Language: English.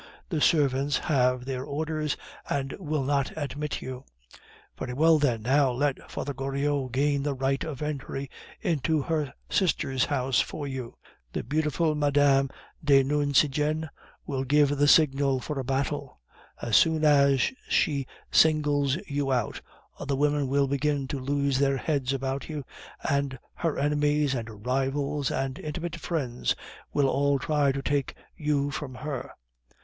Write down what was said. The servants have their orders, and will not admit you. Very well, then, now let Father Goriot gain the right of entry into her sister's house for you. The beautiful Mme. de Nucingen will give the signal for a battle. As soon as she singles you out, other women will begin to lose their heads about you, and her enemies and rivals and intimate friends will all try to take you from her.